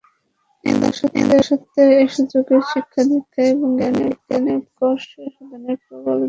এতদসত্ত্বেও এ যুগে শিক্ষা-দীক্ষা এবং জ্ঞান-বিজ্ঞানে উৎকর্ষ সাধনের প্রবল উদ্দীপনা পরিলক্ষিত হয়।